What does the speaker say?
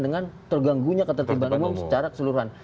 dengan terganggunya ketertiban umum secara keseluruhan